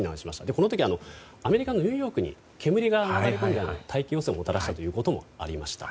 この時はアメリカのニューヨークに煙が流れ込んで大気汚染をもたらしたということもありました。